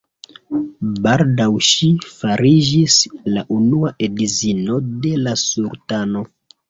Baldaŭ ŝi fariĝis la Unua edzino de la sultano.